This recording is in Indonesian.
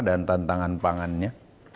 dan tantangan pangannya